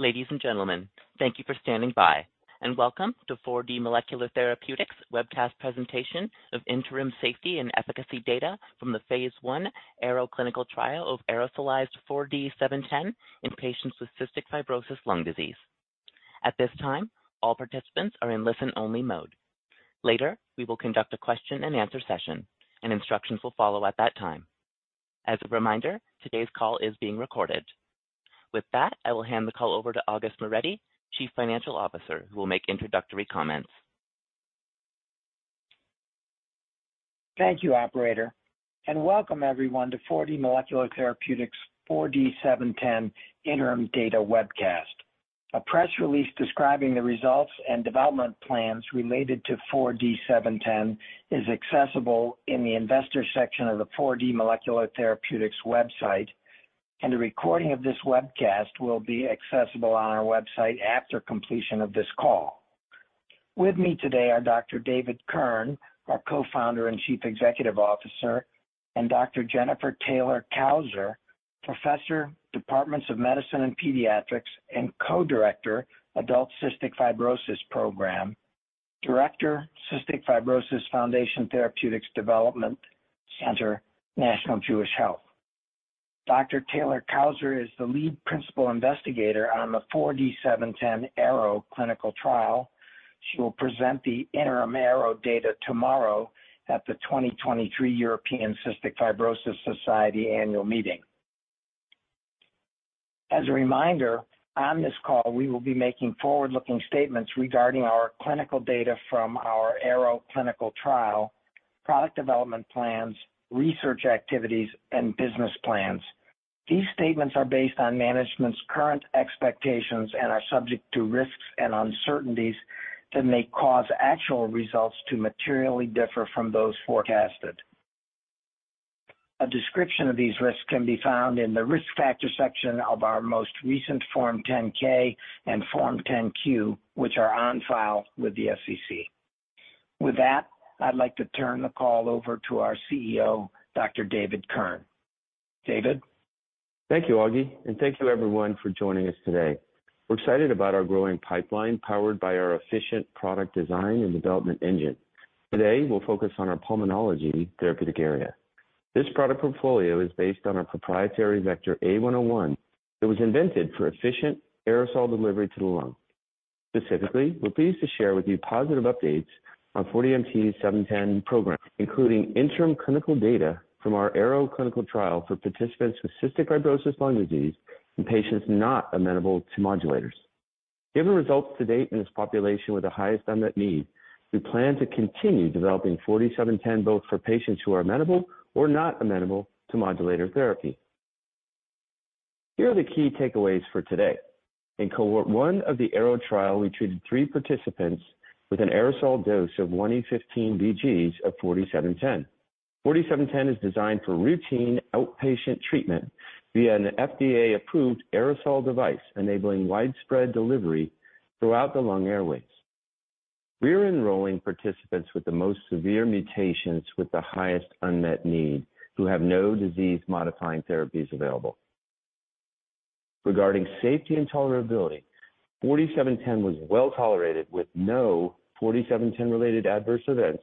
Ladies and gentlemen, thank you for standing by, and welcome to 4D Molecular Therapeutics webcast presentation of interim safety and efficacy data from the phase I AERO clinical trial of aerosolized 4D-710 in patients with cystic fibrosis lung disease. At this time, all participants are in listen-only mode. Later, we will conduct a question and answer session, and instructions will follow at that time. As a reminder, today's call is being recorded. With that, I will hand the call over to August Moretti, Chief Financial Officer, who will make introductory comments. Thank you, operator. Welcome everyone to 4D Molecular Therapeutics 4D-710 Interim Data Webcast. A press release describing the results and development plans related to 4D-710 is accessible in the investor section of the 4D Molecular Therapeutics website. A recording of this webcast will be accessible on our website after completion of this call. With me today are Dr. David Kirn, our Co-Founder and Chief Executive Officer, and Dr. Jennifer Taylor-Cousar, Professor, Departments of Medicine and Pediatrics, and Co-director, Adult Cystic Fibrosis Program, Director, Cystic Fibrosis Foundation Therapeutics Development Center, National Jewish Health. Dr. Taylor-Cousar is the Lead Principal Investigator on the 4D-710 AERO clinical trial. She will present the interim AERO data tomorrow at the 2023 European Cystic Fibrosis Society annual meeting. As a reminder, on this call, we will be making forward-looking statements regarding our clinical data from our AERO clinical trial, product development plans, research activities, and business plans. These statements are based on management's current expectations and are subject to risks and uncertainties that may cause actual results to materially differ from those forecasted. A description of these risks can be found in the Risk Factor section of our most recent Form 10-K and Form 10-Q, which are on file with the SEC. I'd like to turn the call over to our CEO, Dr. David Kirn. David? Thank you, Augie. Thank you everyone for joining us today. We're excited about our growing pipeline, powered by our efficient product design and development engine. Today, we'll focus on our pulmonology therapeutic area. This product portfolio is based on our proprietary vector, A101, that was invented for efficient aerosol delivery to the lung. Specifically, we're pleased to share with you positive updates on 4D-710 program, including interim clinical data from our AERO clinical trial for participants with cystic fibrosis lung disease in patients not amenable to modulators. Given results to date in this population with the highest unmet need, we plan to continue developing 4D-710, both for patients who are amenable or not amenable to modulator therapy. Here are the key takeaways for today. In cohort 1 of the AERO trial, we treated three participants with an aerosol dose of 1E15 vg of 4D-710. 4D-710 is designed for routine outpatient treatment via an FDA-approved aerosol device, enabling widespread delivery throughout the lung airways. We're enrolling participants with the most severe mutations, with the highest unmet need, who have no disease-modifying therapies available. Regarding safety and tolerability, 4D-710 was well tolerated, with no 4D-710-related adverse events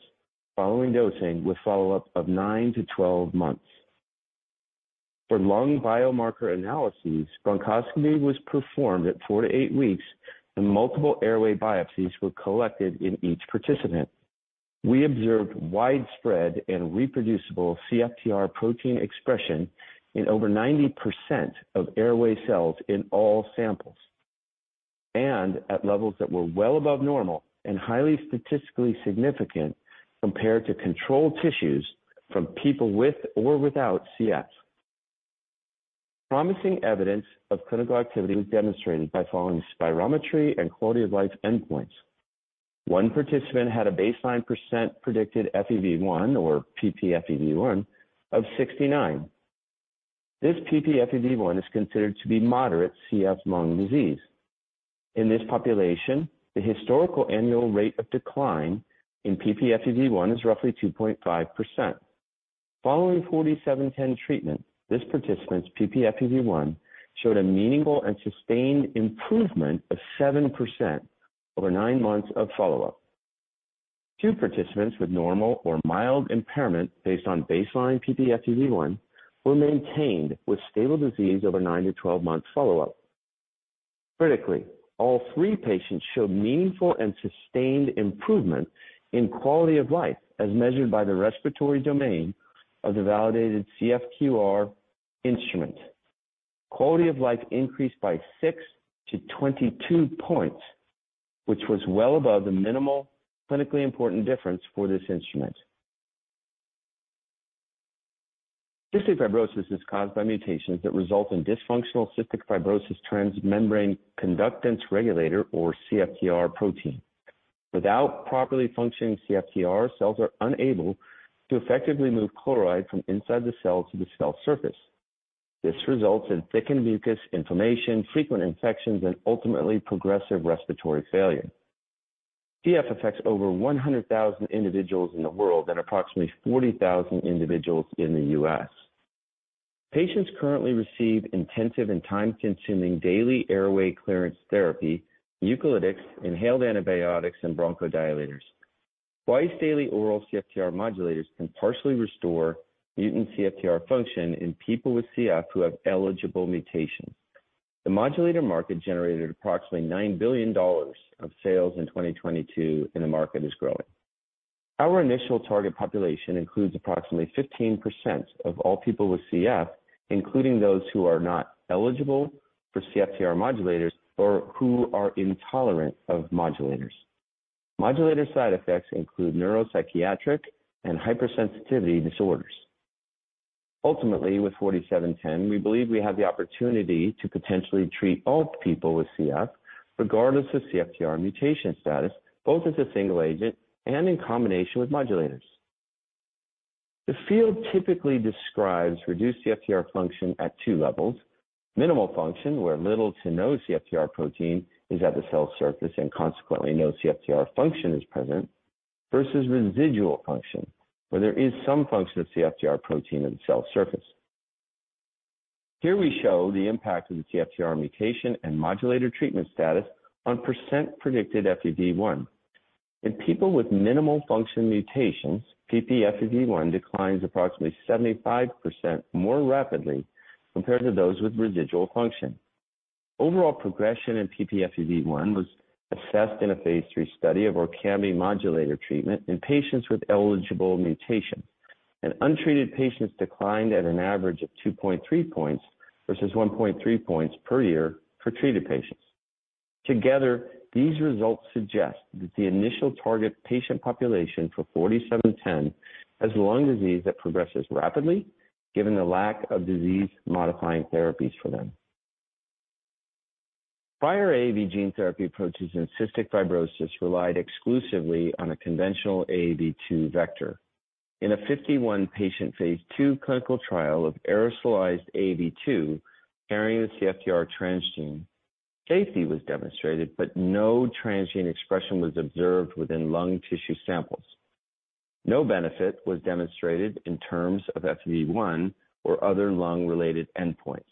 following dosing, with follow-up of nine-12 months. For lung biomarker analyses, bronchoscopy was performed at four-eight weeks, and multiple airway biopsies were collected in each participant. We observed widespread and reproducible CFTR protein expression in over 90% of airway cells in all samples, and at levels that were well above normal and highly statistically significant compared to controlled tissues from people with or without CF. Promising evidence of clinical activity was demonstrated by following spirometry and quality of life endpoints. One participant had a baseline percent predicted FEV1, or ppFEV1, of 69. This ppFEV1 is considered to be moderate CF lung disease. In this population, the historical annual rate of decline in ppFEV1 is roughly 2.5%. Following 4D-710 treatment, this participant's ppFEV1 showed a meaningful and sustained improvement of 7% over nine months of follow-up. Two participants with normal or mild impairment based on baseline ppFEV1 were maintained with stable disease over nine-12 months follow-up. Critically, all three patients showed meaningful and sustained improvement in quality of life, as measured by the respiratory domain of the validated CFQR instrument. Quality of life increased by six to 22 points, which was well above the minimal clinically important difference for this instrument. Cystic fibrosis is caused by mutations that result in dysfunctional cystic fibrosis transmembrane conductance regulator, or CFTR protein. Without properly functioning CFTR, cells are unable to effectively move chloride from inside the cell to the cell surface. This results in thickened mucus, inflammation, frequent infections, and ultimately progressive respiratory failure. CF affects over 100,000 individuals in the world and approximately 40,000 individuals in the U.S.. Patients currently receive intensive and time-consuming daily airway clearance therapy, mucolytics, inhaled antibiotics, and bronchodilators. Twice-daily oral CFTR modulators can partially restore mutant CFTR function in people with CF who have eligible mutations. The modulator market generated approximately $9 billion of sales in 2022. The market is growing. Our initial target population includes approximately 15% of all people with CF, including those who are not eligible for CFTR modulators or who are intolerant of modulators. Modulator side effects include neuropsychiatric and hypersensitivity disorders. Ultimately, with 4D-710, we believe we have the opportunity to potentially treat all people with CF, regardless of CFTR mutation status, both as a single agent and in combination with modulators. The field typically describes reduced CFTR function at two levels: minimal function, where little to no CFTR protein is at the cell surface and consequently no CFTR function is present, versus residual function, where there is some function of CFTR protein at the cell surface. Here we show the impact of the CFTR mutation and modulator treatment status on percent predicted FEV1. In people with minimal function mutations, ppFEV1 declines approximately 75% more rapidly compared to those with residual function. Overall progression in ppFEV1 was assessed in a phase III study of ORKAMBI modulator treatment in patients with eligible mutations. Untreated patients declined at an average of 2.3 points versus 1.3 points per year for treated patients. Together, these results suggest that the initial target patient population for 4D-710 has lung disease that progresses rapidly, given the lack of disease-modifying therapies for them. Prior AAV gene therapy approaches in cystic fibrosis relied exclusively on a conventional AAV2 vector. In a 51 patient phase II clinical trial of aerosolized AAV2 carrying the CFTR transgene, safety was demonstrated. No transgene expression was observed within lung tissue samples. No benefit was demonstrated in terms of FEV1 or other lung-related endpoints.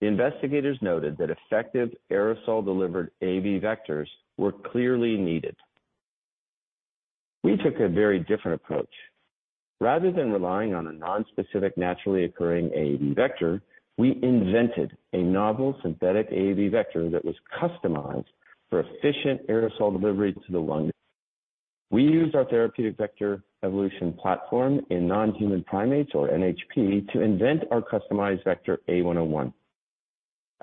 The investigators noted that effective aerosol-delivered AAV vectors were clearly needed. We took a very different approach. Rather than relying on a nonspecific, naturally occurring AAV vector, we invented a novel synthetic AAV vector that was customized for efficient aerosol delivery to the lung. We used our Therapeutic Vector Evolution platform in non-human primates, or NHP, to invent our customized vector, A101.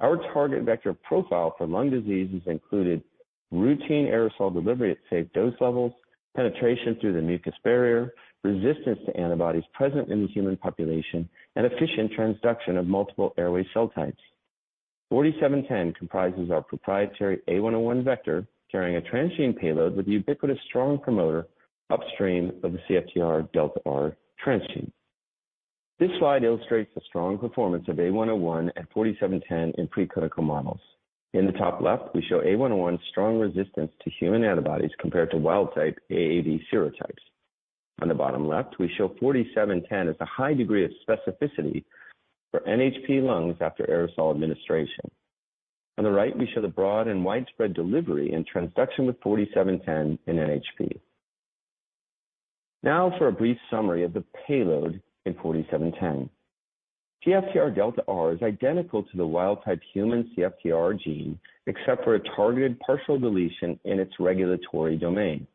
Our target vector profile for lung diseases included routine aerosol delivery at safe dose levels, penetration through the mucus barrier, resistance to antibodies present in the human population, and efficient transduction of multiple airway cell types. 4D-710 comprises our proprietary A101 vector, carrying a transgene payload with ubiquitous strong promoter upstream of the CFTRΔR transgene. This slide illustrates the strong performance of A101 and 4D-710 in preclinical models. In the top left, we show A101's strong resistance to human antibodies compared to wild-type AAV serotypes. On the bottom left, we show 4D-710 as a high degree of specificity for NHP lungs after aerosol administration. On the right, we show the broad and widespread delivery and transduction with 4D-710 in NHP. Now for a brief summary of the payload in 4D-710. CFTRΔR is identical to the wild-type human CFTR gene, except for a targeted partial deletion in its regulatory domain.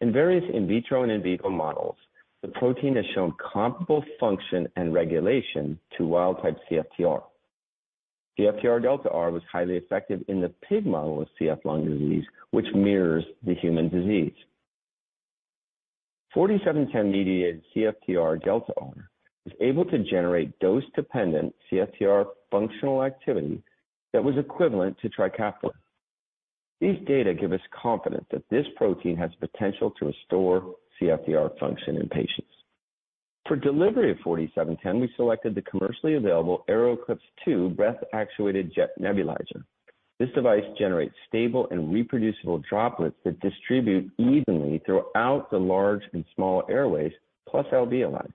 In various in vitro and in vivo models, the protein has shown comparable function and regulation to wild-type CFTR. CFTRΔR was highly effective in the pig model of CF lung disease, which mirrors the human disease. 4D-710-mediated CFTRΔR was able to generate dose-dependent CFTR functional activity that was equivalent to TRIKAFTA. These data give us confidence that this protein has potential to restore CFTR function in patients. For delivery of 4D-710, we selected the commercially available AeroEclipse II Breath-Actuated Jet Nebulizer. This device generates stable and reproducible droplets that distribute evenly throughout the large and small airways, plus alveoli.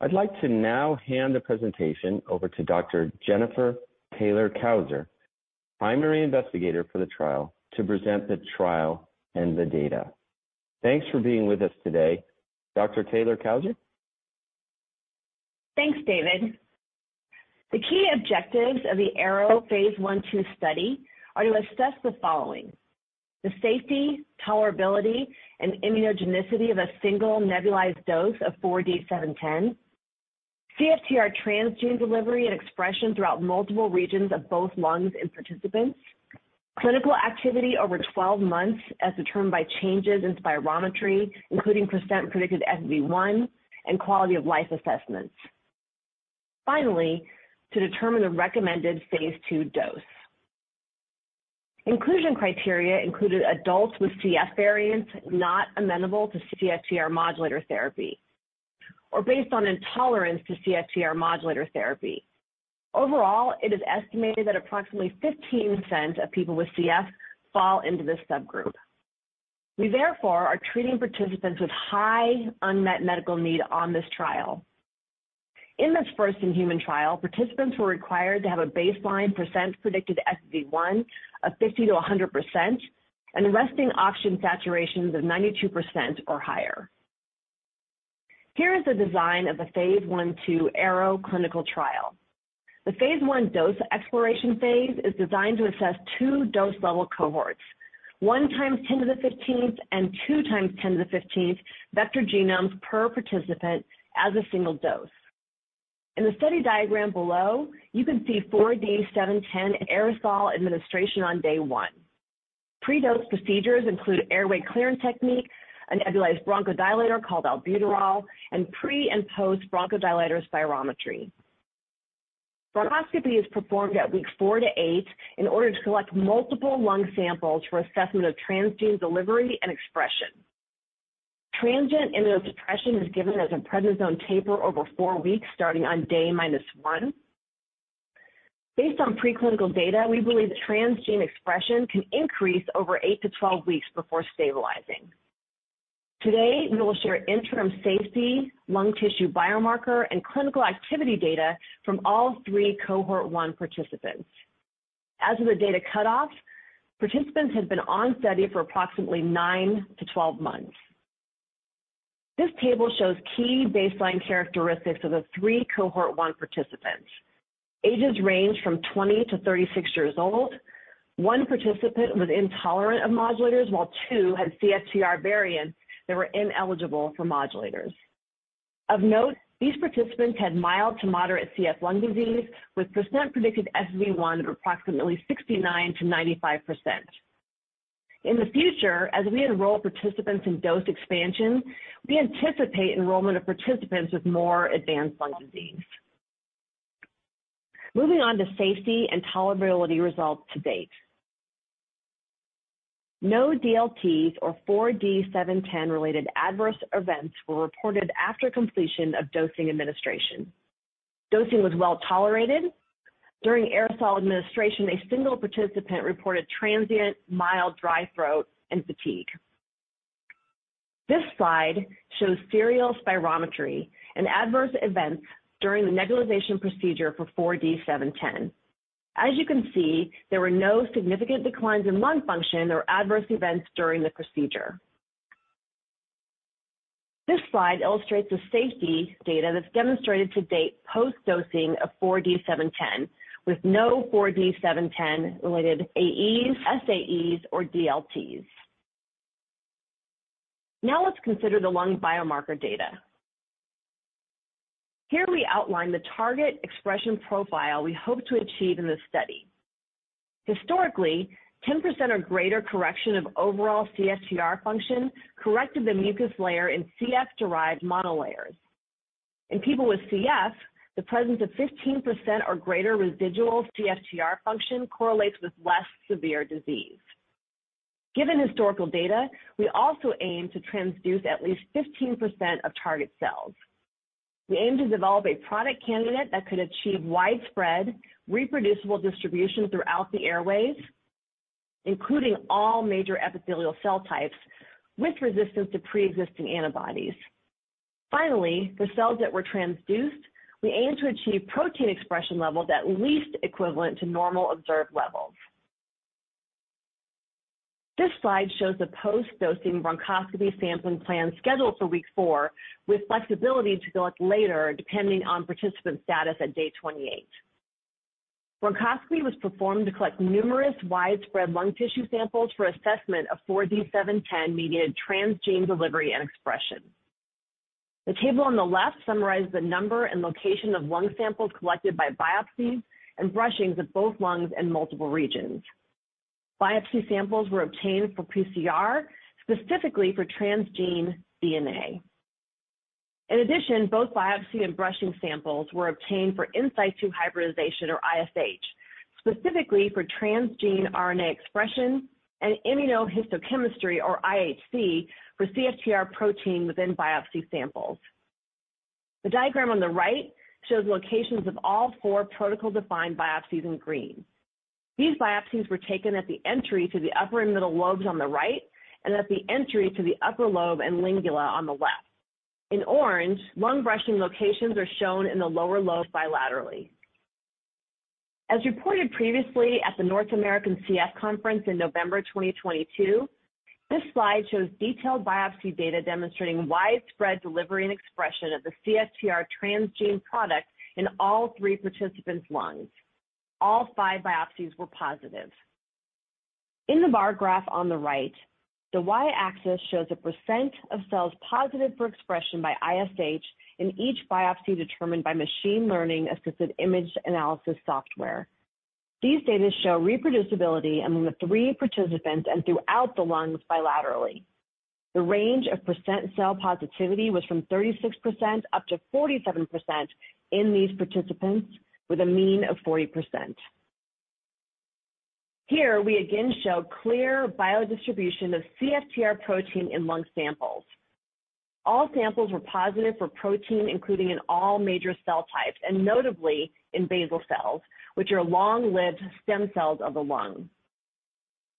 I'd like to now hand the presentation over to Dr. Jennifer Taylor-Cousar, Primary Investigator for the trial, to present the trial and the data. Thanks for being with us today, Dr. Taylor-Cousar? Thanks, David. The key objectives of the AERO phase I/II study are to assess the following: the safety, tolerability, and immunogenicity of a single nebulized dose of 4D-710, CFTR transgene delivery and expression throughout multiple regions of both lungs in participants, clinical activity over 12 months as determined by changes in spirometry, including ppFEV1, and quality of life assessments. Finally, to determine the recommended phase II dose. Inclusion criteria included adults with CF variants not amenable to CFTR modulator therapy or based on intolerance to CFTR modulator therapy. Overall, it is estimated that approximately 15% of people with CF fall into this subgroup. We therefore are treating participants with high unmet medical need on this trial. In this first-in-human trial, participants were required to have a baseline ppFEV1 of 50%-100% and resting oxygen saturations of 92% or higher. Here is the design of the phase I/II AERO clinical trial. The phase I dose exploration phase is designed to assess two dose level cohorts, 1e15 and 2e15 vector genomes per participant as a single dose. In the study diagram below, you can see 4D-710 aerosol administration on day one. Pre-dose procedures include airway clearance technique, a nebulized bronchodilator called albuterol, and pre and post bronchodilator spirometry. Bronchoscopy is performed at weeks four to eight in order to collect multiple lung samples for assessment of transgene delivery and expression. Transient immunosuppression is given as a prednisone taper over four weeks, starting on day -1. Based on preclinical data, we believe that transgene expression can increase over eight to 12 weeks before stabilizing. Today, we will share interim safety, lung tissue biomarker, and clinical activity data from all three cohort 1 participants. As of the data cutoff, participants have been on study for approximately nine to 12 months. This table shows key baseline characteristics of the three cohort 1 participants. Ages range from 20-36 years old. One participant was intolerant of modulators, while two had CFTR variants that were ineligible for modulators. Of note, these participants had mild to moderate CF lung disease, with percent predicted FEV1 of approximately 69%-95%. In the future, as we enroll participants in dose expansion, we anticipate enrollment of participants with more advanced lung disease. Moving on to safety and tolerability results to date. No DLTs or 4D-710-related adverse events were reported after completion of dosing administration. Dosing was well tolerated. During aerosol administration, a single participant reported transient mild dry throat and fatigue. This slide shows serial spirometry and adverse events during the nebulization procedure for 4D-710. You can see, there were no significant declines in lung function or adverse events during the procedure. This slide illustrates the safety data that's demonstrated to date post-dosing of 4D-710, with no 4D-710-related AEs, SAEs, or DLTs. Let's consider the lung biomarker data. Here we outline the target expression profile we hope to achieve in this study. Historically, 10% or greater correction of overall CFTR function corrected the mucus layer in CF-derived monolayers. In people with CF, the presence of 15% or greater residual CFTR function correlates with less severe disease. Given historical data, we also aim to transduce at least 15% of target cells. We aim to develop a product candidate that could achieve widespread, reproducible distribution throughout the airways, including all major epithelial cell types with resistance to pre-existing antibodies. Finally, the cells that were transduced, we aim to achieve protein expression levels at least equivalent to normal observed levels. This slide shows the post-dosing bronchoscopy sampling plan scheduled for week four, with flexibility to go up later, depending on participant status at day 28. Bronchoscopy was performed to collect numerous widespread lung tissue samples for assessment of 4D-710-mediated transgene delivery and expression. The table on the left summarizes the number and location of lung samples collected by biopsies and brushings of both lungs in multiple regions. Biopsy samples were obtained for PCR, specifically for transgene DNA. Both biopsy and brushing samples were obtained for in situ hybridization, or ISH, specifically for transgene RNA expression and immunohistochemistry, or IHC, for CFTR protein within biopsy samples. The diagram on the right shows locations of all four protocol-defined biopsies in green. These biopsies were taken at the entry to the upper and middle lobes on the right, and at the entry to the upper lobe and lingula on the left. In orange, lung brushing locations are shown in the lower lobe bilaterally. As reported previously at the North American Cystic Fibrosis Conference in November 2022, this slide shows detailed biopsy data demonstrating widespread delivery and expression of the CFTR transgene product in all three participants' lungs. All five biopsies were positive. In the bar graph on the right, the Y-axis shows the percent of cells positive for expression by ISH in each biopsy, determined by machine learning-assisted image analysis software. These data show reproducibility among the three participants and throughout the lungs bilaterally. The range of percent cell positivity was from 36% up to 47% in these participants, with a mean of 40%. We again show clear biodistribution of CFTR protein in lung samples. All samples were positive for protein, including in all major cell types and notably in basal cells, which are long-lived stem cells of the lung.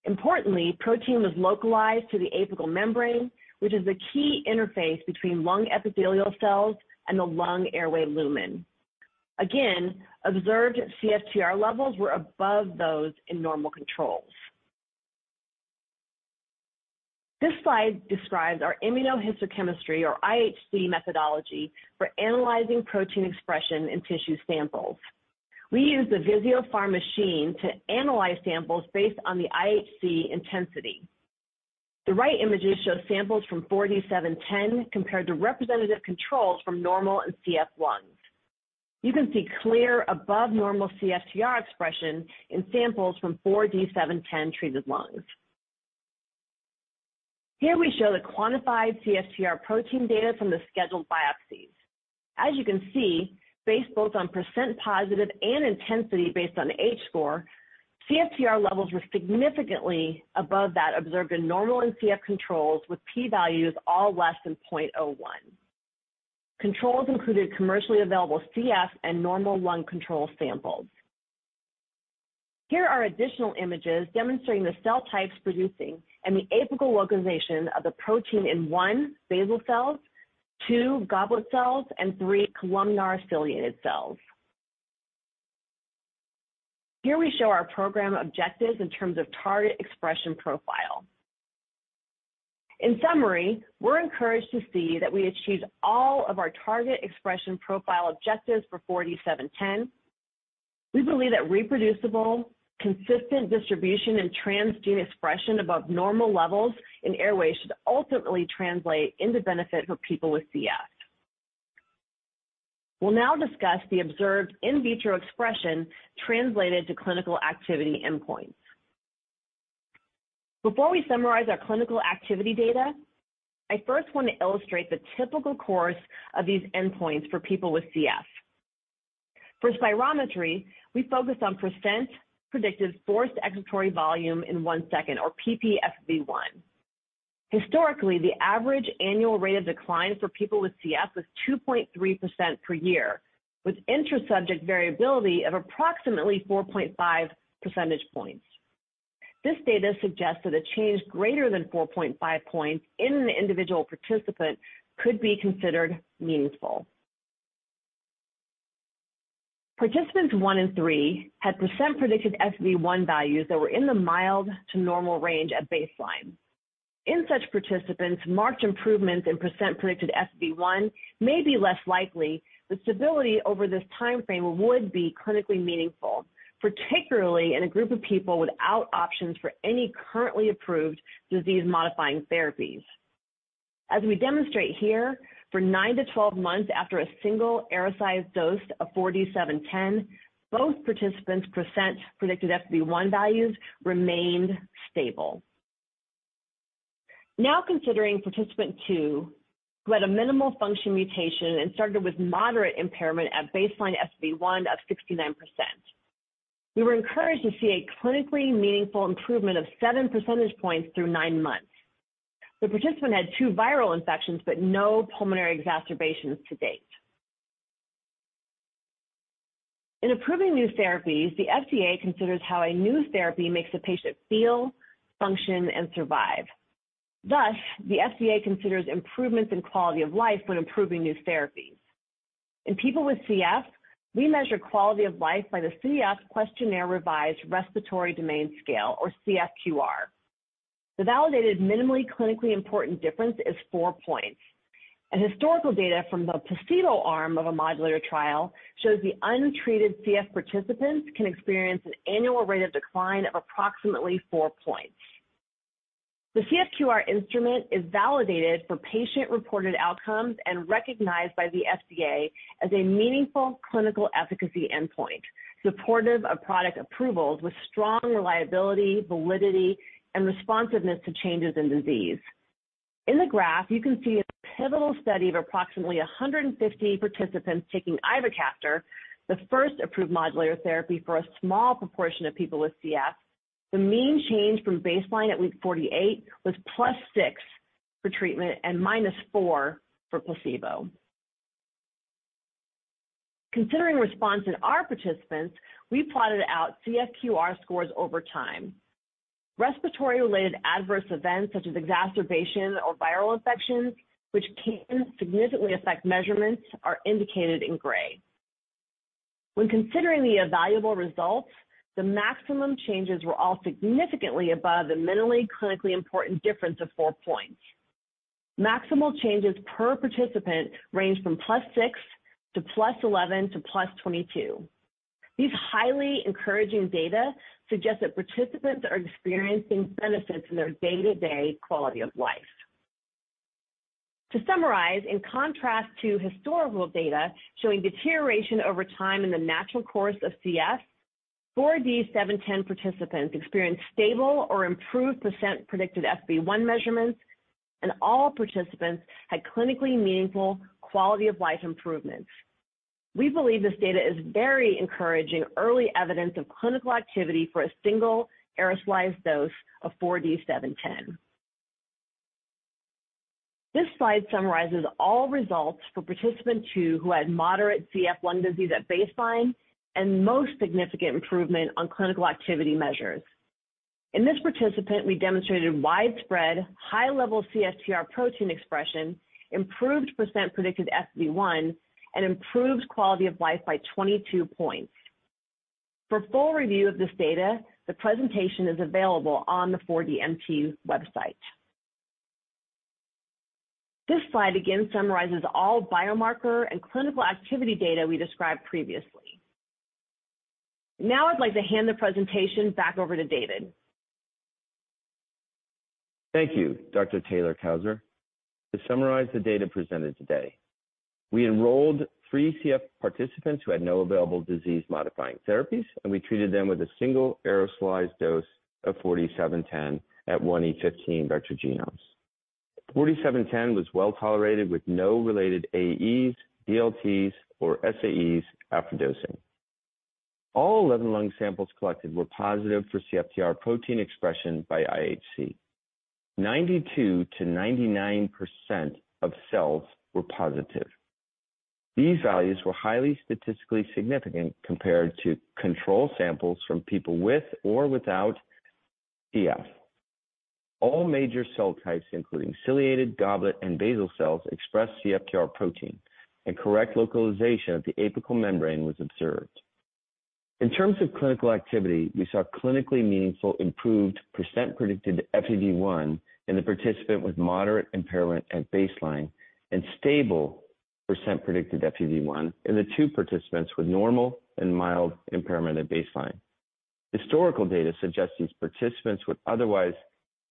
Importantly, protein was localized to the apical membrane, which is the key interface between lung epithelial cells and the lung airway lumen. Observed CFTR levels were above those in normal controls. This slide describes our immunohistochemistry, or IHC methodology, for analyzing protein expression in tissue samples. We use the Visiopharm machine to analyze samples based on the IHC intensity. The right images show samples from 4D-710 compared to representative controls from normal and CF lungs. You can see clear above normal CFTR expression in samples from 4D-710 treated lungs. Here we show the quantified CFTR protein data from the scheduled biopsies. As you can see, based both on percent positive and intensity based on H-score, CFTR levels were significantly above that observed in normal and CF controls, with P values all less than 0.01. Controls included commercially available CF and normal lung control samples. Here are additional images demonstrating the cell types producing and the apical localization of the protein in one, basal cells, two, goblet cells, and three, columnar ciliated cells. Here we show our program objectives in terms of target expression profile. In summary, we're encouraged to see that we achieved all of our target expression profile objectives for 4D-710. We believe that reproducible, consistent distribution and transgene expression above normal levels in airways should ultimately translate into benefit for people with CF. We'll now discuss the observed in vitro expression translated to clinical activity endpoints. Before we summarize our clinical activity data, I first want to illustrate the typical course of these endpoints for people with CF. For spirometry, we focus on percent predicted forced expiratory volume in one second, or ppFEV1. Historically, the average annual rate of decline for people with CF is 2.3% per year, with intra-subject variability of approximately 4.5 percentage points. This data suggests that a change greater than 4.5 points in an individual participant could be considered meaningful. Participants 1 and 3 had percent predicted FEV1 values that were in the mild to normal range at baseline. In such participants, marked improvements in percent predicted FEV1 may be less likely, but stability over this timeframe would be clinically meaningful, particularly in a group of people without options for any currently approved disease-modifying therapies. As we demonstrate here, for nine to 12 months after a single aerosolized dose of 4D-710, both participants' percent predicted FEV1 values remained stable. Considering participant 2, who had a minimal function mutation and started with moderate impairment at baseline FEV1 of 69%, we were encouraged to see a clinically meaningful improvement of seven percentage points through nine months. The participant had two viral infections, but no pulmonary exacerbations to date. In approving new therapies, the FDA considers how a new therapy makes a patient feel, function, and survive. Thus, the FDA considers improvements in quality of life when approving new therapies. In people with CF, we measure quality of life by the CF Questionnaire-Revised respiratory domain scale, or CFQR. The validated minimally clinically important difference is four points. Historical data from the placebo arm of a modulator trial shows the untreated CF participants can experience an annual rate of decline of approximately four points. The CFQR instrument is validated for patient-reported outcomes and recognized by the FDA as a meaningful clinical efficacy endpoint, supportive of product approvals with strong reliability, validity, and responsiveness to changes in disease. In the graph, you can see a pivotal study of approximately 150 participants taking Ivacaftor, the first approved modulator therapy for a small proportion of people with CF. The mean change from baseline at week 48 was +6 for treatment and -4 for placebo. Considering response in our participants, we plotted out CFQR scores over time. Respiratory-related adverse events such as exacerbation or viral infections, which can significantly affect measurements, are indicated in gray. When considering the evaluable results, the maximum changes were all significantly above the minimally clinically important difference of four points. Maximal changes per participant ranged from +6 to +11 to +22. These highly encouraging data suggest that participants are experiencing benefits in their day-to-day quality of life. To summarize, in contrast to historical data showing deterioration over time in the natural course of CF, 4D-710 participants experienced stable or improved percent predicted FEV1 measurements, and all participants had clinically meaningful quality of life improvements. We believe this data is very encouraging, early evidence of clinical activity for a single aerosolized dose of 4D-710. This slide summarizes all results for participant 2, who had moderate CF lung disease at baseline and most significant improvement on clinical activity measures. In this participant, we demonstrated widespread high-level CFTR protein expression, improved percent predicted FEV1, and improved quality of life by 22 points. For full review of this data, the presentation is available on the 4DMT website. This slide again summarizes all biomarker and clinical activity data we described previously. Now I'd like to hand the presentation back over to David. Thank you, Dr. Taylor-Cousar. To summarize the data presented today, we enrolled three CF participants who had no available disease-modifying therapies, and we treated them with a single aerosolized dose of 4D-710 at 1E15 vg. 4D-710 was well tolerated, with no related AEs, DLTs, or SAEs after dosing. All 11 lung samples collected were positive for CFTR protein expression by IHC. 92%-99% of cells were positive. These values were highly statistically significant compared to control samples from people with or without CF. All major cell types, including ciliated, goblet, and basal cells, expressed CFTR protein, and correct localization of the apical membrane was observed. In terms of clinical activity, we saw clinically meaningful improved percent predicted FEV1 in the participant with moderate impairment at baseline and stable percent predicted FEV1 in the two participants with normal and mild impairment at baseline. Historical data suggests these participants would otherwise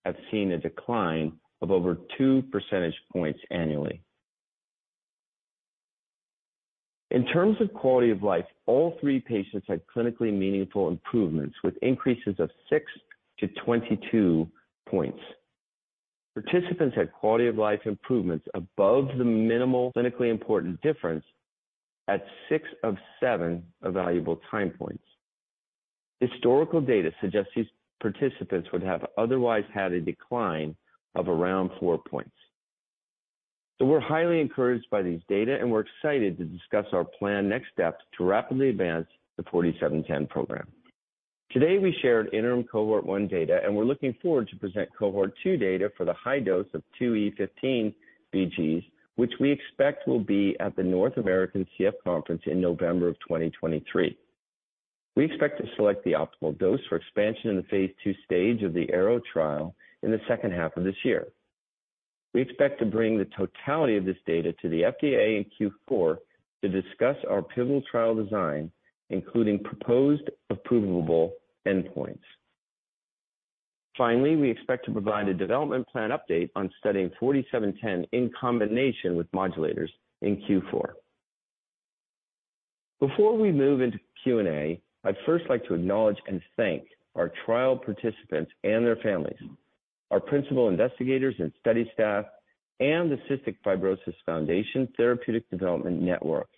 have seen a decline of over two percentage points annually. In terms of quality of life, all three patients had clinically meaningful improvements, with increases of six to 22 points. Participants had quality of life improvements above the minimal clinically important difference at six of seven evaluable time points. Historical data suggests these participants would have otherwise had a decline of around four points. We're highly encouraged by these data, and we're excited to discuss our planned next steps to rapidly advance the 4D-710 program. Today, we shared interim cohort 1 data, and we're looking forward to present cohort 2 data for the high dose of 2E15 vg, which we expect will be at the North American Cystic Fibrosis Conference in November of 2023. We expect to select the optimal dose for expansion in the phase II stage of the AERO trial in the H2 of this year. We expect to bring the totality of this data to the FDA in Q4 to discuss our pivotal trial design, including proposed approvable endpoints. Finally, we expect to provide a development plan update on studying 4D-710 in combination with modulators in Q4. Before we move into Q&A, I'd first like to acknowledge and thank our trial participants and their families, our principal investigators and study staff, and the Cystic Fibrosis Foundation Therapeutic Development Network.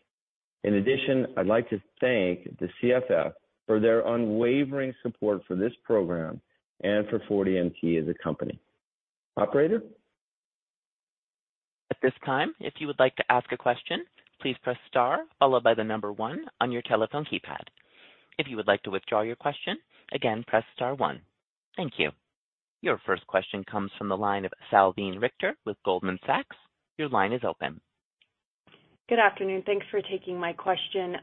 In addition, I'd like to thank the CFF for their unwavering support for this program and for 4DMT as a company. Operator? At this time, if you would like to ask a question, please press star, followed by the number one on your telephone keypad. If you would like to withdraw your question, again, press star one. Thank you. Your first question comes from the line of Salveen Richter with Goldman Sachs. Your line is open. Good afternoon. Thanks for taking my question.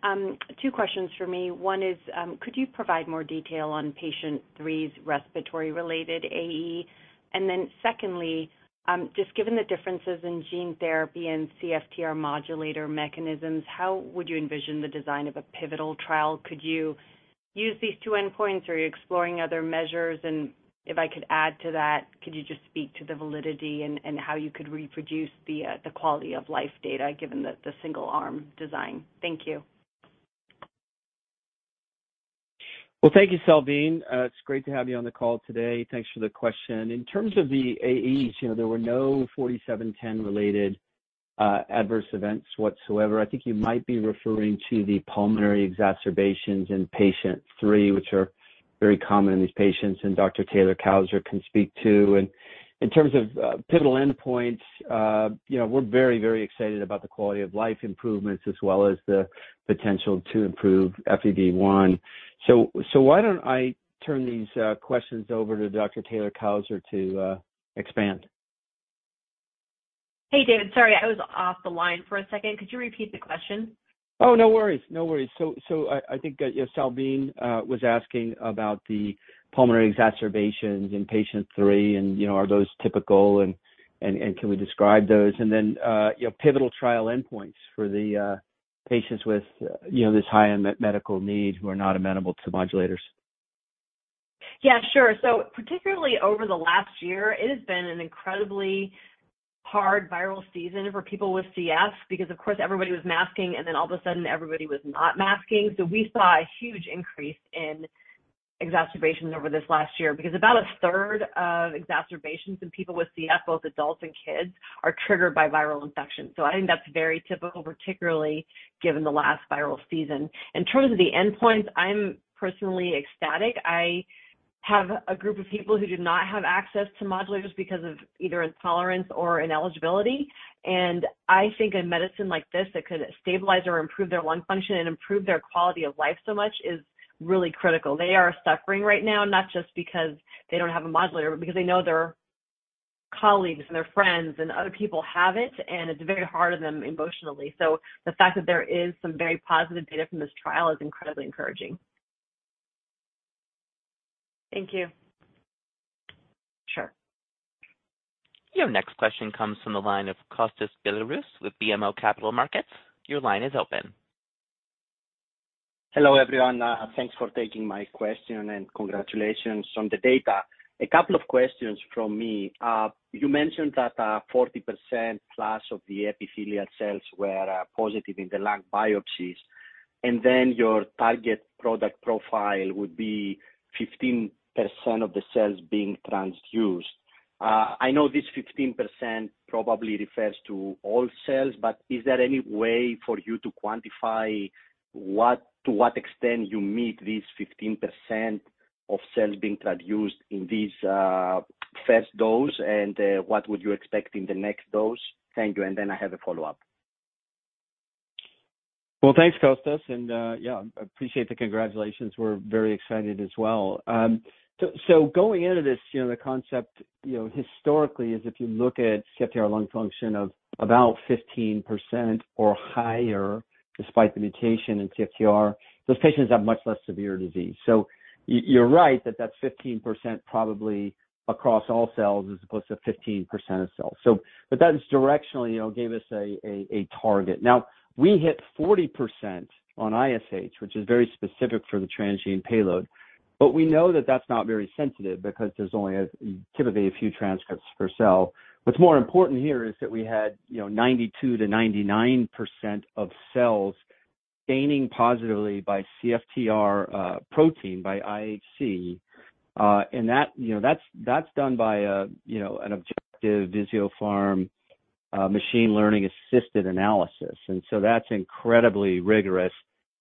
Two questions for me. One is, could you provide more detail on patient 3's respiratory-related AE? Secondly, just given the differences in gene therapy and CFTR modulator mechanisms, how would you envision the design of a pivotal trial? Could you use these two endpoints, or are you exploring other measures? If I could add to that, could you just speak to the validity and how you could reproduce the quality of life data, given the single-arm design? Thank you. Well, thank you, Salveen. It's great to have you on the call today. Thanks for the question. In terms of the AEs, you know, there were no 4D-710-related adverse events whatsoever. I think you might be referring to the pulmonary exacerbations in patient 3, which are very common in these patients, and Dr. Taylor-Cousar can speak to. In terms of pivotal endpoints, you know, we're very, very excited about the quality of life improvements as well as the potential to improve FEV1. Why don't I turn these questions over to Dr. Taylor-Cousar to expand? Hey, David. Sorry, I was off the line for a second. Could you repeat the question? Oh, no worries. No worries. I think, yeah, Salveen was asking about the pulmonary exacerbations in patient 3, and, you know, are those typical, and can we describe those? You know, pivotal trial endpoints for the patients with, you know, this high-end medical needs who are not amenable to modulators. Sure. Particularly over the last year, it has been an incredibly hard viral season for people with CF because, of course, everybody was masking, and then all of a sudden, everybody was not masking. We saw a huge increase exacerbations over this last year, because about a third of exacerbations in people with CF, both adults and kids, are triggered by viral infections. I think that's very typical, particularly given the last viral season. In terms of the endpoints, I'm personally ecstatic. I have a group of people who do not have access to modulators because of either intolerance or ineligibility, and I think a medicine like this that could stabilize or improve their lung function and improve their quality of life so much is really critical. They are suffering right now, not just because they don't have a modulator, but because they know their colleagues and their friends and other people have it, and it's very hard on them emotionally. The fact that there is some very positive data from this trial is incredibly encouraging. Thank you. Sure. Your next question comes from the line of Kostas Biliouris with BMO Capital Markets. Your line is open. Hello, everyone. Thanks for taking my question and congratulations on the data. A couple of questions from me. You mentioned that 40%+ of the epithelial cells were positive in the lung biopsies, and then your target product profile would be 15% of the cells being transduced. I know this 15% probably refers to all cells, but is there any way for you to quantify to what extent you meet this 15% of cells being transduced in this first dose? What would you expect in the next dose? Thank you. I have a follow-up. Well, thanks, Kostas, and yeah, appreciate the congratulations. We're very excited as well. Going into this, you know, the concept, you know, historically is if you look at CFTR lung function of about 15% or higher, despite the mutation in CFTR, those patients have much less severe disease. You're right that that 15% probably across all cells as opposed to 15% of cells. But that is directionally, you know, gave us a target. Now, we hit 40% on ISH, which is very specific for the transgene payload, but we know that that's not very sensitive because there's only typically a few transcripts per cell. What's more important here is that we had, you know, 92%-99% of cells staining positively by CFTR protein, by IHC. That, you know, that's done by a, you know, an objective Visiopharm machine learning assisted analysis. That's incredibly rigorous.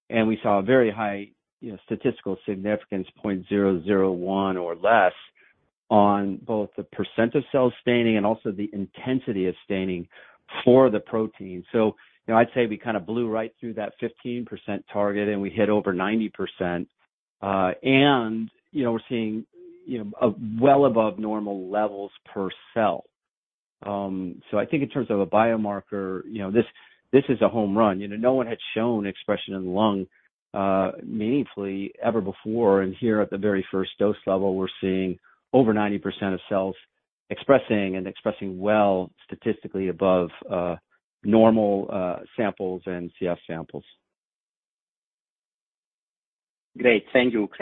We saw a very high, you know, statistical significance, 0.001 or less, on both the percent to cells staining and also the intensity of staining for the protein. You know, I'd say we kind of blew right through that 15% target, and we hit over 90%. You know, we're seeing, you know, a well above normal levels per cell. I think in terms of a biomarker, you know, this is a home run. You know, no one had shown expression in the lung, meaningfully ever before. Here at the very first dose level, we're seeing over 90% of cells expressing and expressing well, statistically above normal samples and CF samples. Great. Thank you.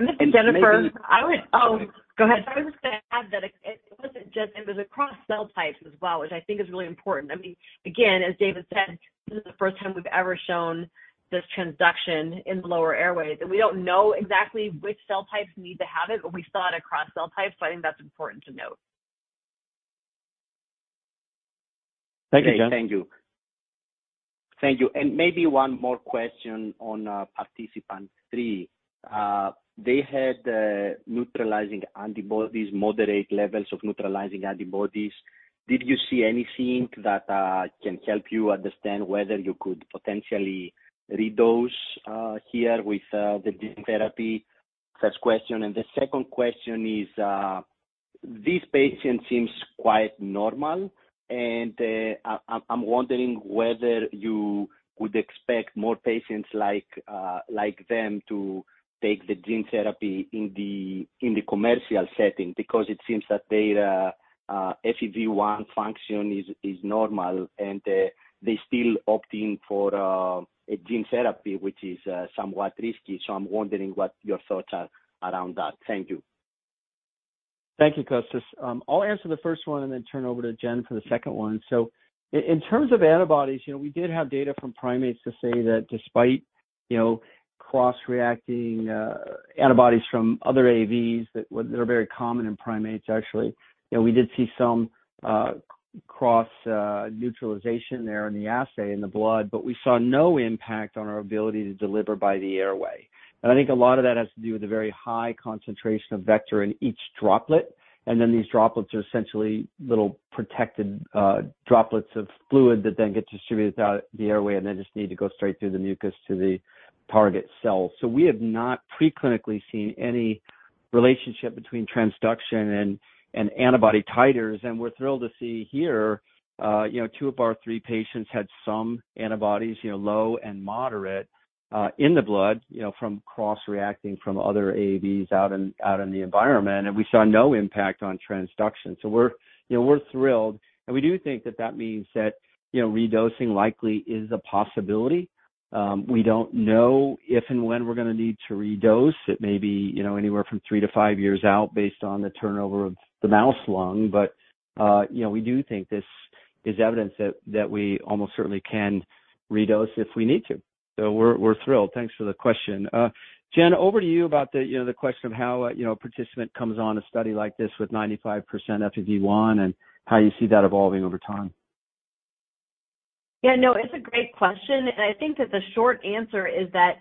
Oh. Go ahead. I was just gonna add that it wasn't just. It was across cell types as well, which I think is really important. I mean, again, as David said, this is the first time we've ever shown this transduction in the lower airways. We don't know exactly which cell types need to have it, but we saw it across cell types. I think that's important to note. Thank you, Jen. Thank you. Thank you. Maybe one more question on participant 3. They had neutralizing antibodies, moderate levels of neutralizing antibodies. Did you see anything that can help you understand whether you could potentially redose here with the gene therapy? First question. The second question is, this patient seems quite normal, and I'm wondering whether you would expect more patients like them to take the gene therapy in the commercial setting, because it seems that their FEV1 function is normal, and they're still opting for a gene therapy, which is somewhat risky. I'm wondering what your thoughts are around that. Thank you. Thank you, Kostas. I'll answer the first one and then turn over to Jen for the second one. In terms of antibodies, you know, we did have data from primates to say that despite, you know, cross-reacting antibodies from other AAVs that are very common in primates, actually, you know, we did see some cross neutralization there in the assay in the blood, but we saw no impact on our ability to deliver by the airway. I think a lot of that has to do with the very high concentration of vector in each droplet, and then these droplets are essentially little protected droplets of fluid that then get distributed out the airway and then just need to go straight through the mucus to the target cell. We have not preclinically seen any relationship between transduction and antibody titers, and we're thrilled to see here, you know, two of our three patients had some antibodies, you know, low and moderate, in the blood, you know, from cross-reacting from other AAVs out in the environment, and we saw no impact on transduction. We're, you know, we're thrilled, and we do think that that means that, you know, redosing likely is a possibility. We don't know if and when we're gonna need to redose. It may be, you know, anywhere from three to five years out based on the turnover of the mouse lung. We do think this is evidence that we almost certainly can redose if we need to. We're, we're thrilled. Thanks for the question. Jen, over to you about the, you know, the question of how, you know, a participant comes on a study like this with 95% FEV1, and how you see that evolving over time. Yeah, no, it's a great question. I think that the short answer is that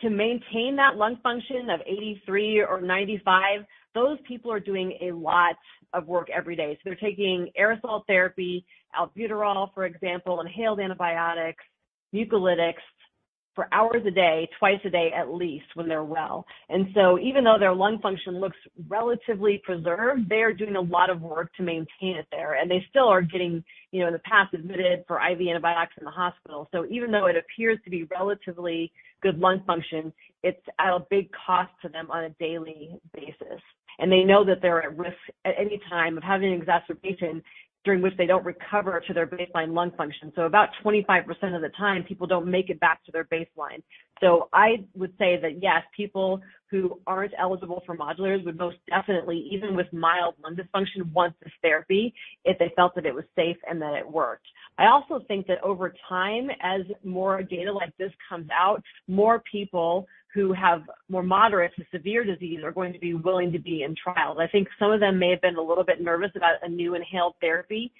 to maintain that lung function of 83 or 95, those people are doing a lot of work every day. They're taking aerosol therapy, albuterol, for example, inhaled antibiotics, mucolytics for hours a day, twice a day, at least when they're well. Even though their lung function looks relatively preserved, it's at a big cost to them on a daily basis. They know that they're at risk at any time of having an exacerbation during which they don't recover to their baseline lung function. About 25% of the time, people don't make it back to their baseline. I would say that, yes, people who aren't eligible for modulators would most definitely, even with mild lung dysfunction, want this therapy if they felt that it was safe and that it worked. Over time, as more data like this comes out, more people who have more moderate to severe disease are going to be willing to be in trials. Some of them may have been a little bit nervous about a new inhaled therapy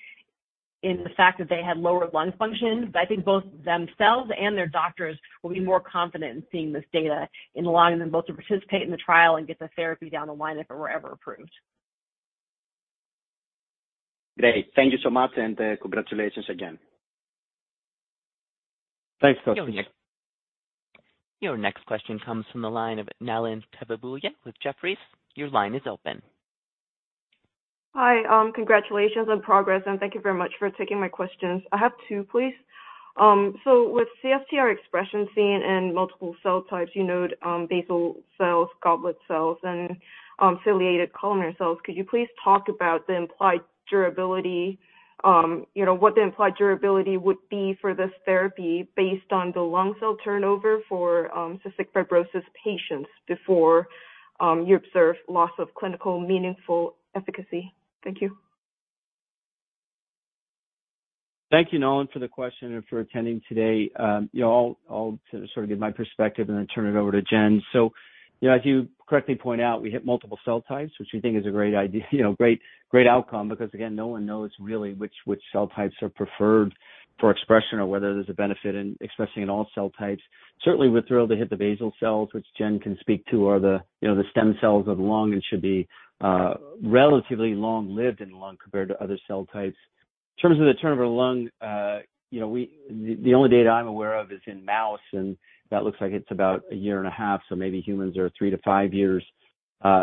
in the fact that they had lower lung function, but I think both themselves and their doctors will be more confident in seeing this data in allowing them both to participate in the trial and get the therapy down the line if it were ever approved. Great. Thank you so much, and, congratulations again. Thanks, Kostas. Your next question comes from the line of Nalin Tejavibulya with Jefferies. Your line is open. Hi, congratulations on progress, and thank you very much for taking my questions. I have two, please. With CFTR expression seen in multiple cell types, you know, basal cells, goblet cells, and affiliated columnar cells, could you please talk about the implied durability, you know, what the implied durability would be for this therapy based on the lung cell turnover for cystic fibrosis patients before you observe loss of clinical meaningful efficacy? Thank you. Thank you, Nalin, for the question and for attending today. You know, I'll sort of give my perspective and then turn it over to Jen. You know, as you correctly point out, we hit multiple cell types, which we think is a great idea, you know, great outcome, because again, no one knows really which cell types are preferred for expression or whether there's a benefit in expressing in all cell types. Certainly, we're thrilled to hit the basal cells, which Jen can speak to, are the, you know, the stem cells of the lung and should be relatively long-lived in the lung compared to other cell types. In terms of the turnover lung, you know, the only data I'm aware of is in mouse, and that looks like it's about a year and a half, so maybe humans are three to five years.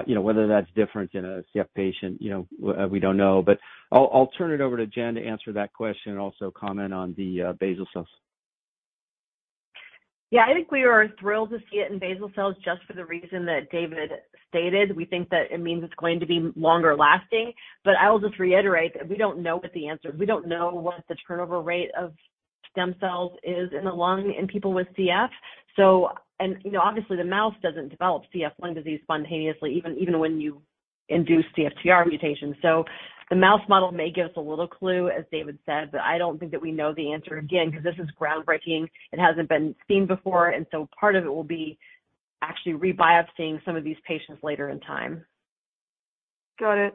You know, whether that's different in a CF patient, you know, we don't know. I'll turn it over to Jen to answer that question and also comment on the basal cells. Yeah, I think we are thrilled to see it in basal cells just for the reason that David stated. We think that it means it's going to be longer lasting. I will just reiterate that we don't know what the answer is. We don't know what the turnover rate of stem cells is in the lung in people with CF. You know, obviously the mouse doesn't develop CF lung disease spontaneously, even when you induce CFTR mutations. The mouse model may give us a little clue, as David said. I don't think that we know the answer again, because this is groundbreaking. It hasn't been seen before, part of it will be actually rebiopsying some of these patients later in time. Got it.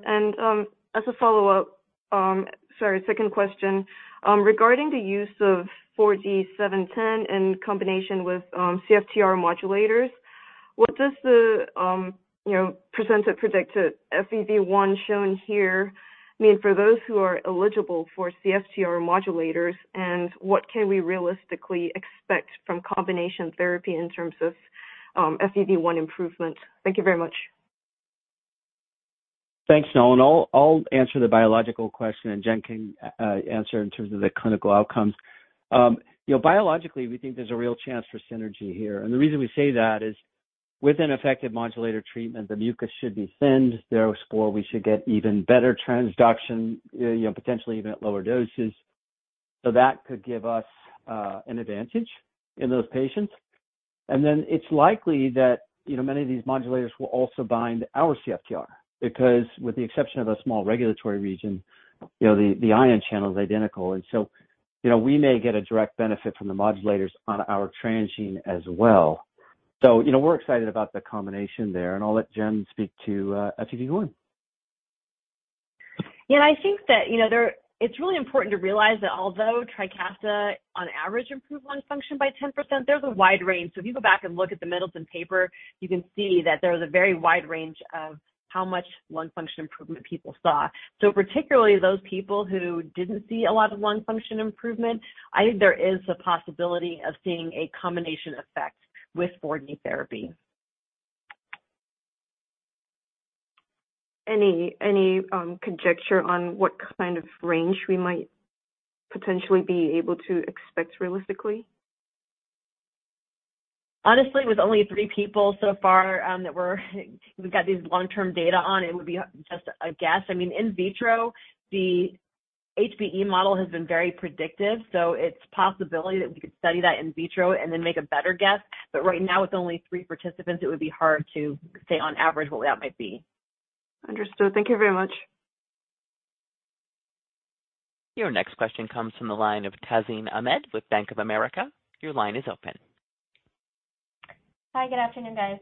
As a follow-up, sorry, second question. Regarding the use of 4D-710 in combination with CFTR modulators, what does the, you know, percentage predicted FEV1 shown here mean for those who are eligible for CFTR modulators, and what can we realistically expect from combination therapy in terms of FEV1 improvement? Thank you very much. Thanks, Nalin. I'll answer the biological question, and Jen can answer in terms of the clinical outcomes. you know, biologically, we think there's a real chance for synergy here. The reason we say that is, with an effective modulator treatment, the mucus should be thinned. Therefore, we should get even better transduction, you know, potentially even at lower doses. That could give us an advantage in those patients. it's likely that, you know, many of these modulators will also bind our CFTR because, with the exception of a small regulatory region, you know, the ion channel is identical. you know, we may get a direct benefit from the modulators on our transgene as well. you know, we're excited about the combination there, and I'll let Jen speak to FEV1. I think that, you know, it's really important to realize that although TRIKAFTA on average improve lung function by 10%, there's a wide range. If you go back and look at the Middleton paper, you can see that there is a very wide range of how much lung function improvement people saw. Particularly those people who didn't see a lot of lung function improvement, I think there is a possibility of seeing a combination effect with 4D therapy. Any conjecture on what kind of range we might potentially be able to expect realistically? Honestly, with only three people so far, that we've got these long-term data on, it would be just a guess. I mean, in vitro, the HBE model has been very predictive, so it's a possibility that we could study that in vitro and then make a better guess. Right now, with only three participants, it would be hard to say on average what that might be. Understood. Thank you very much. Your next question comes from the line of Tazeen Ahmad with Bank of America. Your line is open. Hi, good afternoon, guys.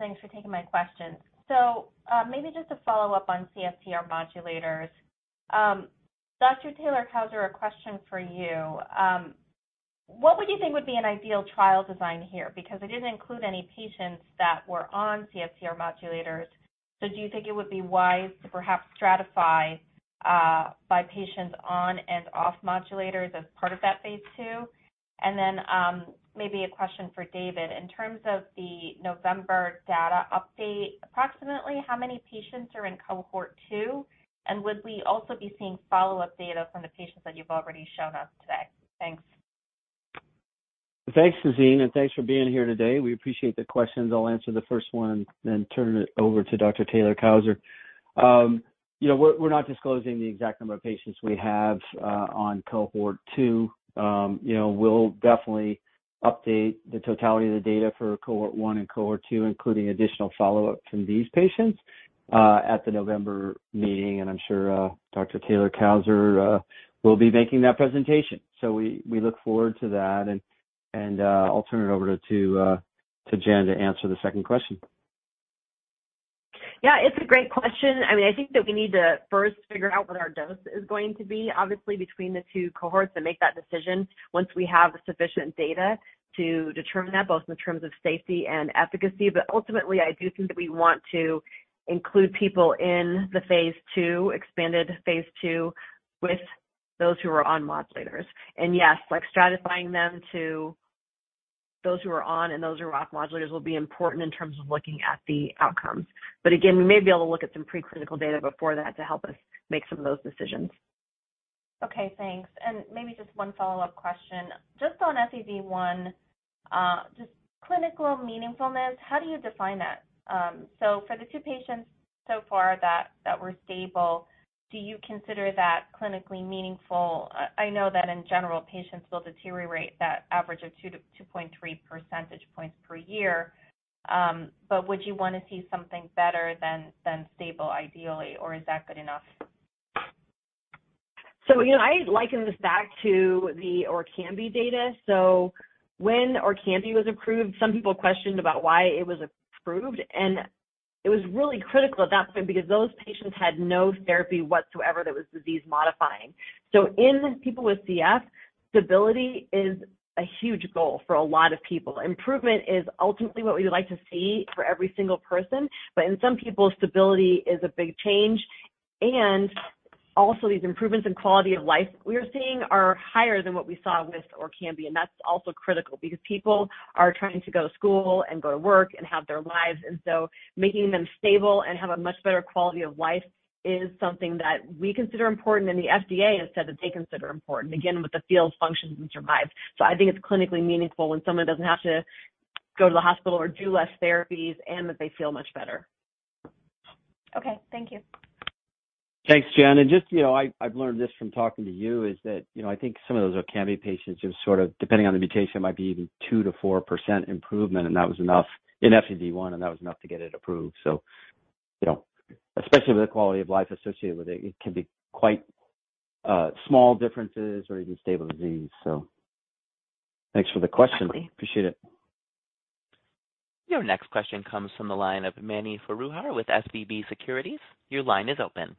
Thanks for taking my questions. Maybe just a follow-up on CFTR modulators. Dr. Taylor-Cousar, a question for you. What would you think would be an ideal trial design here? Because it didn't include any patients that were on CFTR modulators. Do you think it would be wise to perhaps stratify by patients on and off modulators as part of that phase II? Maybe a question for David. In terms of the November data update, approximately how many patients are in cohort 2, and would we also be seeing follow-up data from the patients that you've already shown us today? Thanks. Thanks, Tazeen, thanks for being here today. We appreciate the questions. I'll answer the first one, then turn it over to Dr. Taylor-Cousar. You know, we're not disclosing the exact number of patients we have on cohort 2. You know, we'll definitely update the totality of the data for cohort 1 and cohort 2, including additional follow-up from these patients at the November meeting, and I'm sure Dr. Taylor-Cousar will be making that presentation. We look forward to that. I'll turn it over to Jen to answer the second question. Yeah, it's a great question. I mean, I think that we need to first figure out what our dose is going to be, obviously, between the two cohorts and make that decision once we have sufficient data to determine that, both in terms of safety and efficacy. Ultimately, I do think that we want to include people in the phase II, expanded phase II, with those who are on modulators. Yes, like, stratifying them to those who are on and those who are off modulators will be important in terms of looking at the outcomes. Again, we may be able to look at some pre-clinical data before that to help us make some of those decisions. Okay, thanks. Maybe just one follow-up question. Just on FEV1, just clinical meaningfulness, how do you define that? For the two patients so far that were stable, do you consider that clinically meaningful? I know that in general, patients will deteriorate that average of two to 2.3 percentage points per year, but would you want to see something better than stable, ideally, or is that good enough? You know, I liken this back to the ORKAMBI data. When ORKAMBI was approved, some people questioned about why it was approved, and it was really critical at that point because those patients had no therapy whatsoever that was disease-modifying. In people with CF, stability is a huge goal for a lot of people. Improvement is ultimately what we would like to see for every single person, but in some people, stability is a big change. Also, these improvements in quality of life we are seeing are higher than what we saw with ORKAMBI, and that's also critical because people are trying to go to school and go to work and have their lives. Making them stable and have a much better quality of life is something that we consider important, and the FDA has said that they consider important, again, how they feel, function, and survive. I think it's clinically meaningful when someone doesn't have to go to the hospital or do less therapies and that they feel much better. Okay. Thank you. Thanks, Jen. Just, you know, I've learned this from talking to you, is that, you know, I think some of those ORKAMBI patients just sort of, depending on the mutation, might be even 2%-4% improvement, and that was enough in FEV1, and that was enough to get it approved. You know, especially with the quality of life associated with it can be quite small differences or even stable disease. Thanks for the question. Absolutely. Appreciate it. Your next question comes from the line of Mani Foroohar with SVB Securities. Your line is open.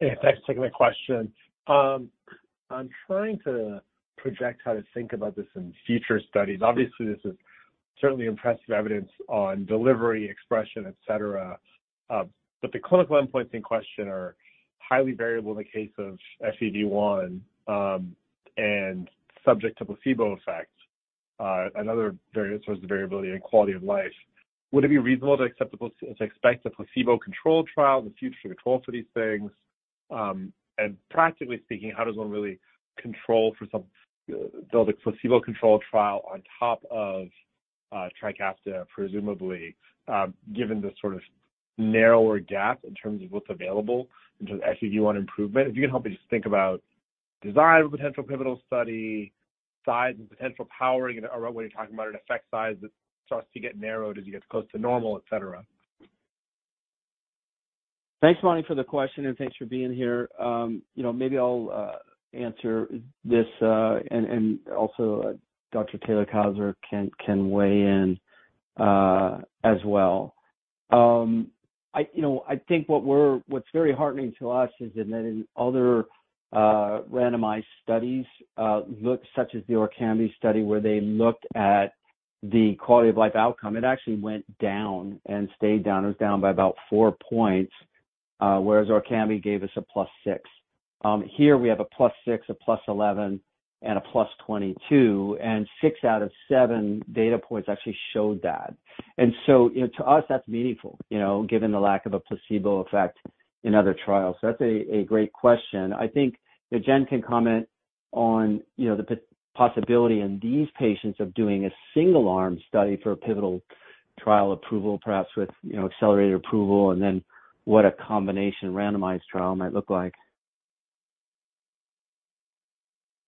Hey, thanks for taking my question. I'm trying to project how to think about this in future studies. Obviously, this is certainly impressive evidence on delivery, expression, et cetera, but the clinical endpoints in question are highly variable in the case of FEV1, and subject to placebo effect, and other various sources of variability and quality of life. Would it be reasonable to expect a placebo-controlled trial in the future to control for these things? Practically speaking, how does one really build a placebo-controlled trial on top of TRIKAFTA, presumably, given the sort of narrower gap in terms of what's available in terms of FEV1 improvement? If you can help me just think about design of a potential pivotal study, size and potential powering, or when you're talking about an effect size that starts to get narrowed as you get close to normal, et cetera. Thanks, Mani, for the question, and thanks for being here. You know, maybe I'll answer this and also Dr. Taylor-Cousar can weigh in as well. I, you know, I think what's very heartening to us is that in other randomized studies, looks such as the ORKAMBI study, where they looked at the quality of life outcome, it actually went down and stayed down. It was down by about four points, whereas ORKAMBI gave us a +6. Here we have a +6, a +11, and a +22, and six out of seven data points actually showed that. You know, to us, that's meaningful, you know, given the lack of a placebo effect in other trials. That's a great question. I think that Jen can comment on, you know, the possibility in these patients of doing a single-arm study for a pivotal trial approval, perhaps with, you know, accelerated approval, and then what a combination randomized trial might look like.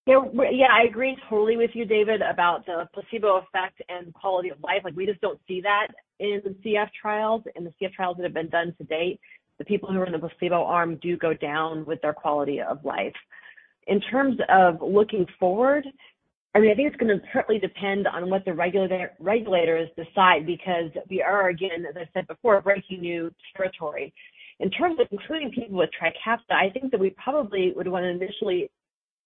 Yeah, yeah, I agree totally with you, David, about the placebo effect and quality of life. Like, we just don't see that in the CF trials. In the CF trials that have been done to date, the people who are in the placebo arm do go down with their quality of life. In terms of looking forward, I mean, I think it's gonna partly depend on what the regulators decide, because we are, again, as I said before, breaking new territory. In terms of including people with TRIKAFTA, I think that we probably would wanna initially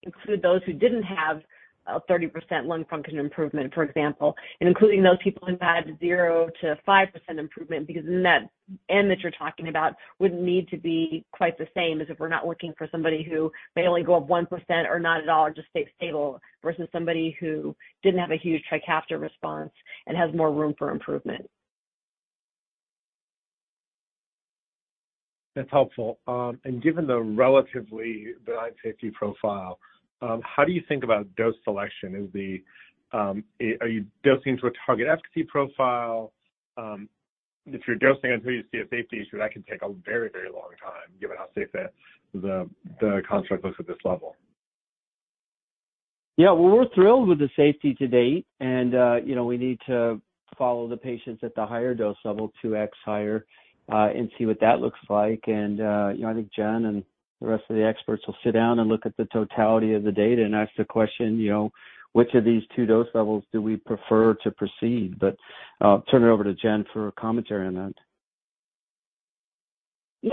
include those who didn't have a 30% lung function improvement, for example, and including those people who had 0%-5% improvement, because then that end that you're talking about wouldn't need to be quite the same as if we're not looking for somebody who may only go up 1% or not at all or just stay stable versus somebody who didn't have a huge TRIKAFTA response and has more room for improvement. That's helpful. Given the relatively good safety profile, how do you think about dose selection? Are you dosing to a target efficacy profile? If you're dosing until you see a safety issue, that can take a very, very long time, given how safe the construct looks at this level. Yeah. Well, we're thrilled with the safety to date. You know, we need to follow the patients at the higher dose level, 2x higher, and see what that looks like. You know, I think Jen and the rest of the experts will sit down and look at the totality of the data and ask the question, you know, Which of these two dose levels do we prefer to proceed? I'll turn it over to Jen for a commentary on that.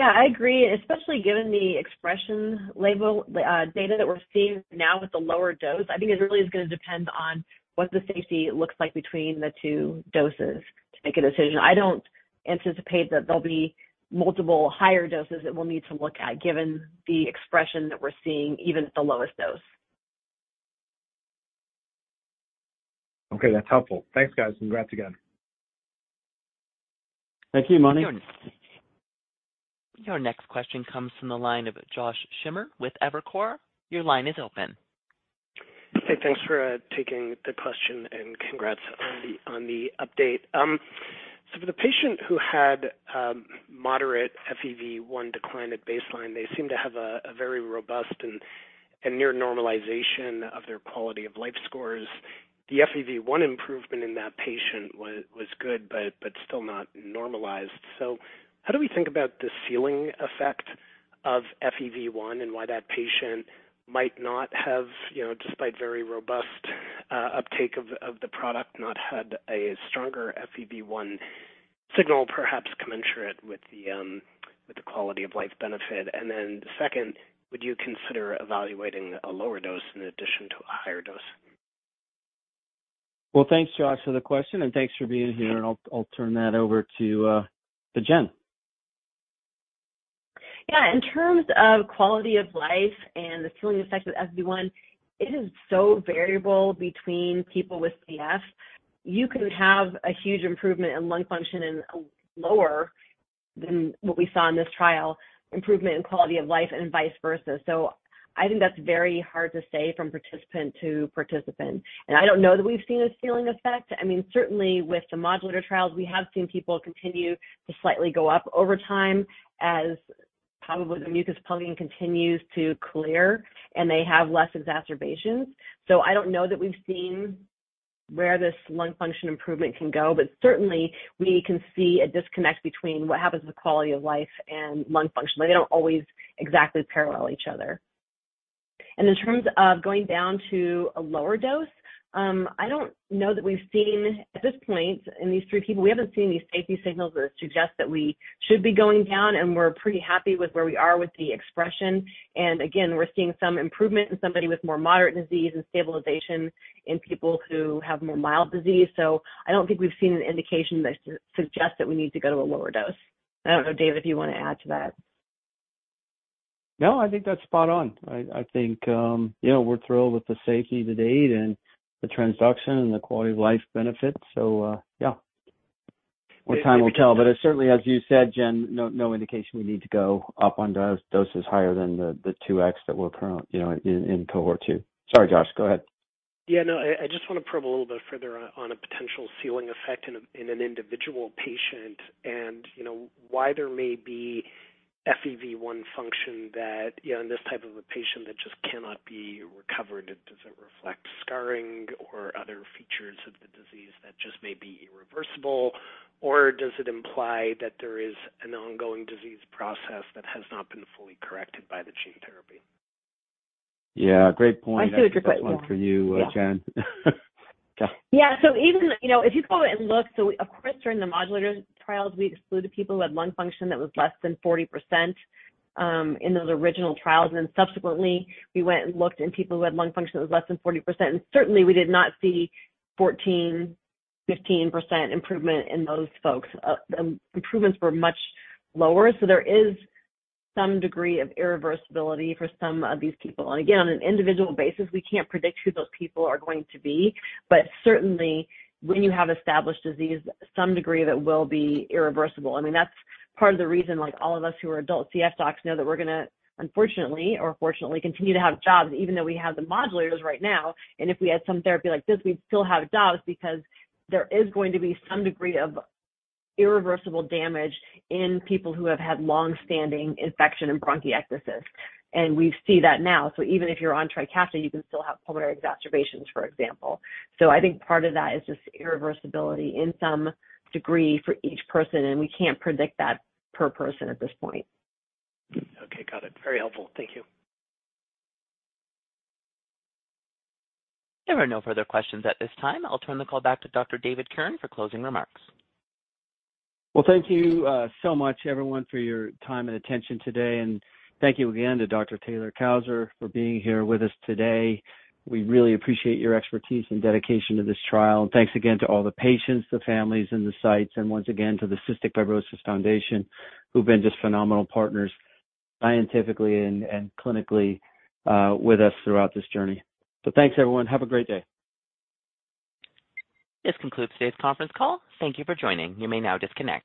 I agree, especially given the expression label data that we're seeing now with the lower dose. I think it really is gonna depend on what the safety looks like between the two doses to make a decision. I don't anticipate that there'll be multiple higher doses that we'll need to look at, given the expression that we're seeing, even at the lowest dose. Okay, that's helpful. Thanks, guys, and congrats again. Thank you, Mani. Your next question comes from the line of Josh Schimmer with Evercore. Your line is open. Hey, thanks for taking the question, congrats on the update. For the patient who had moderate FEV1 decline at baseline, they seem to have a very robust and near normalization of their quality-of-life scores. The FEV1 improvement in that patient was good but still not normalized. How do we think about the ceiling effect of FEV1 and why that patient might not have, you know, despite very robust uptake of the product, not had a stronger FEV1 signal, perhaps commensurate with the quality-of-life benefit? Second, would you consider evaluating a lower dose in addition to a higher dose? Well, thanks, Josh, for the question. Thanks for being here. I'll turn that over to Jen. Yeah, in terms of quality of life and the ceiling effect of FEV1, it is so variable between people with CF. You can have a huge improvement in lung function and lower than what we saw in this trial, improvement in quality of life and vice versa. I think that's very hard to say from participant to participant. I don't know that we've seen a ceiling effect. I mean, certainly with the modulator trials, we have seen people continue to slightly go up over time, as probably the mucus plugging continues to clear, and they have less exacerbations. I don't know that we've seen where this lung function improvement can go, but certainly we can see a disconnect between what happens with quality of life and lung function. They don't always exactly parallel each other. In terms of going down to a lower dose, I don't know that we've seen at this point in these three people, we haven't seen any safety signals that suggest that we should be going down, and we're pretty happy with where we are with the expression. Again, we're seeing some improvement in somebody with more moderate disease and stabilization in people who have more mild disease. I don't think we've seen an indication that suggests that we need to go to a lower dose. I don't know, David, if you wanna add to that? No, I think that's spot on. I think, you know, we're thrilled with the safety to date and the transduction and the quality-of-life benefits, yeah. Time will tell. Certainly, as you said, Jen, no indication we need to go up on dose, doses higher than the 2x that we're current, you know, in cohort 2. Sorry, Josh, go ahead. Yeah, no, I just wanna probe a little bit further on a potential ceiling effect in an individual patient and, you know, why there may be FEV1 function that, you know, in this type of a patient, that just cannot be recovered. Does it reflect scarring or other features of the disease that just may be irreversible, or does it imply that there is an ongoing disease process that has not been fully corrected by the gene therapy? Yeah, great point. I see what you're saying, yeah. That's one for you, Jen. Yeah. Even... You know, if you go and look, so of course, during the modulator trials, we excluded people who had lung function that was less than 40% in those original trials, and then subsequently, we went and looked in people who had lung function that was less than 40%. Certainly, we did not see 14%, 15% improvement in those folks. Improvements were much lower, so there is some degree of irreversibility for some of these people. Again, on an individual basis, we can't predict who those people are going to be. Certainly, when you have established disease, some degree of it will be irreversible. I mean, that's part of the reason, like, all of us who are adult CF doctors know that we're gonna, unfortunately or fortunately, continue to have jobs even though we have the modulators right now. If we had some therapy like this, we'd still have jobs because there is going to be some degree of irreversible damage in people who have had long-standing infection and bronchiectasis. We see that now, so even if you're on TRIKAFTA, you can still have pulmonary exacerbations, for example. I think part of that is just irreversibility in some degree for each person, and we can't predict that per person at this point. Okay, got it. Very helpful. Thank you. There are no further questions at this time. I'll turn the call back to Dr. David Kirn for closing remarks. Well, thank you, so much, everyone, for your time and attention today, and thank you again to Dr. Taylor-Cousar for being here with us today. We really appreciate your expertise and dedication to this trial. Thanks again to all the patients, the families, and the sites, and once again to the Cystic Fibrosis Foundation, who've been just phenomenal partners, scientifically and clinically, with us throughout this journey. Thanks, everyone. Have a great day. This concludes today's conference call. Thank you for joining. You may now disconnect.